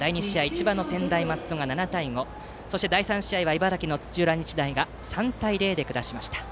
千葉の専大松戸が７対５そして第３試合は茨城の土浦日大が３対０で下しました。